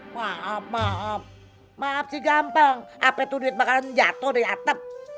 wah maaf maaf sih gampang apa itu duit makanan jatuh dari atap